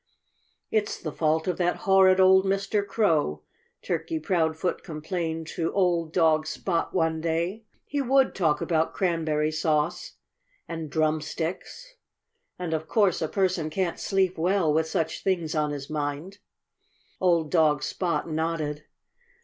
"It's the fault of that horrid old Mr. Crow," Turkey Proudfoot complained to old dog Spot one day. "He would talk about cranberry sauce and drumsticks. And of course a person can't sleep well with such things on his mind." Old dog Spot nodded.